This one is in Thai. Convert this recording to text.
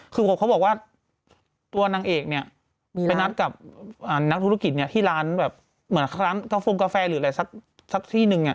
คือเขาบอกว่าตัวนางเอกไปนัดกับนักธุรกิจที่ร้านเกาะโฟนกาแฟหรืออะไรสักที่หนึ่ง